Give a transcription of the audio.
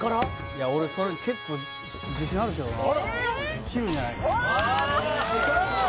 いや俺それ結構自信あるけどなできるんじゃないかきた！